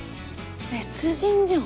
別人じゃん。